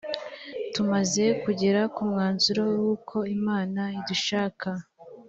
tumaze kugera ku mwanzuro w uko imana idushaka